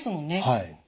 はい。